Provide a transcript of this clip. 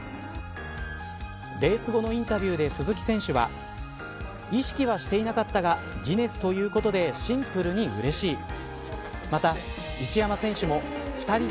レース後のインタビューで鈴木選手は意識はしていなかったがギネスということでシンプルにうれしい。